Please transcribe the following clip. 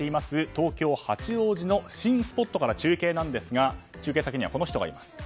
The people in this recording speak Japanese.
東京・八王子の新スポットから中継なんですが中継先にはこの人がいます。